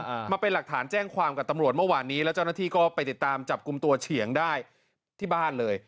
อ่ามาเป็นหลักฐานแจ้งความกับตำรวจเมื่อวานนี้แล้วเจ้าหน้าที่ก็ไปติดตามจับกลุ่มตัวเฉียงได้ที่บ้านเลย